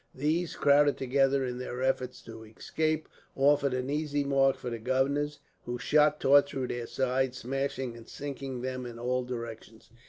These, crowded together in their efforts to escape, offered an easy mark for the gunners, whose shot tore through their sides, smashing and sinking them in all directions.